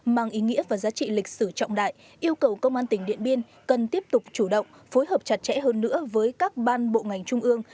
mang ý nghĩa và giá trị lịch sử trọng đại yêu cầu công an tỉnh điện biên cần tiếp tục chủ động phối hợp chặt chẽ hơn nữa với các ban bộ ngành trung ương